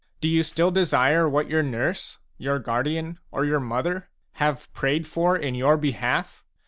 Do you still desire what your nurse, your guardian, or your mother, have prayed for in your behalf?